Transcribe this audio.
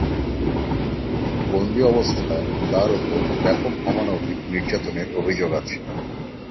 বন্দি অবস্থায় তার ওপর ব্যাপক অমানবিক নির্যাতনের অভিযোগ আছে।